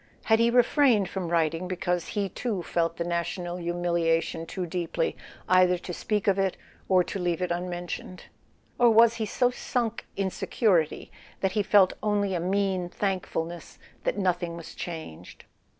Had he refrained from writing because he too felt the national humiliation too deeply either to speak of it or to leave it unmentioned ? Or was he so sunk in security that he felt only a mean thankfulness that nothing was changed?